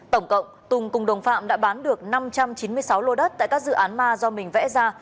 tổng cộng tùng cùng đồng phạm đã bán được năm trăm chín mươi sáu lô đất tại các dự án ma do mình vẽ ra